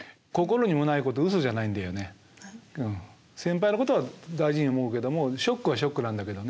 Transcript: うん先輩のことは大事に思うけどもショックはショックなんだけどね。